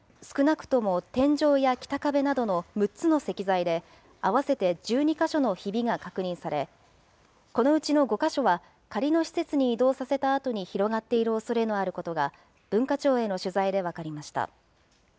少なくとも天井や北壁などの６つの石材で合わせて１２か所のひびが確認され、このうちの５か所は仮の施設に移動させたあとに広がっているおそれのあることが、文化庁への取材で分かりました。